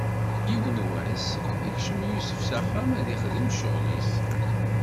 Yiwen n wass, ikcem Yusef s axxam ad ixdem ccɣwel-is.